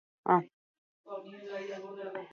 Horretarako lapur-talde harrapatu beharko dute.